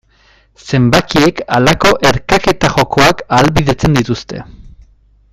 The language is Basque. Zenbakiek halako erkaketa jokoak ahalbidetzen dituzte.